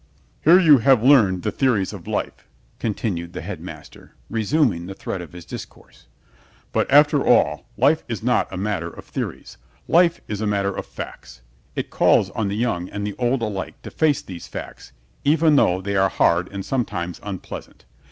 "Here you have learned the theories of life," continued the Headmaster, resuming the thread of his discourse, "but after all, life is not a matter of theories. Life is a matter of facts. It calls on the young and the old alike to face these facts, even though they are hard and sometimes unpleasant.